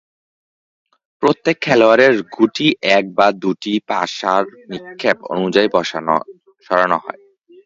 প্রত্যেক খেলোয়াড়ের গুটি এক বা দুটি পাশার নিক্ষেপ অনুযায়ী সরানো হয়।